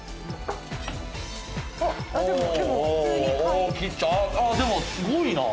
あっでもすごいな。